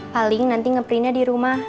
paling nanti nge printnya di rumah